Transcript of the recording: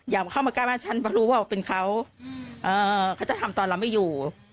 เข้ามาใกล้บ้านฉันเพราะรู้ว่าเป็นเขาเขาจะทำตอนเราไม่อยู่